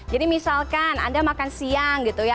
jadi misalkan anda makan siang gitu ya